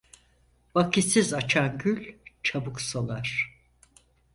Vakitsiz açan gül çabuk solar.